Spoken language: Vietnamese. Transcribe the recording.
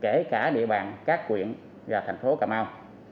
kể cả địa bàn các quyện và thành phố cà mau